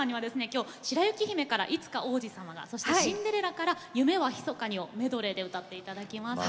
今日「白雪姫」から「いつか王子様が」そして「シンデレラ」から「夢はひそかに」をメドレーで歌って頂きます。